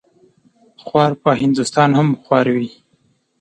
خوار په هندوستان هم خوار وي.